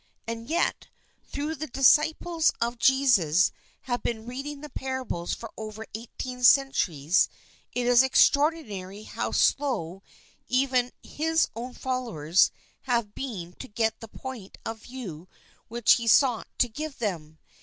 And yet, though the disciples of Jesus have been reading the parables for over eighteen centuries, it is extraordinary how slow even his own followers have been to get the point of view which he sought to give to them.